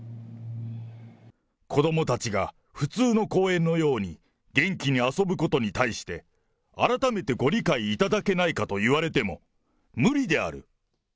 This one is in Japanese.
子どもたちが普通の公園のように元気に遊ぶことに対して改めてご理解いただけないかと言われても無理である。